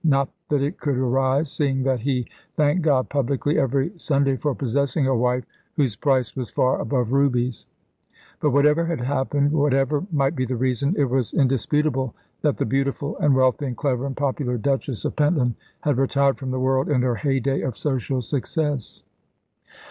Not that it could arise, seeing that he thanked God publicly every Sunday for possessing a wife whose price was far above rubies. But whatever had happened, whatever might be the reason, it was indisputable that the beautiful and wealthy and clever and popular Duchess of Pentland had retired from the world in her heyday of social success.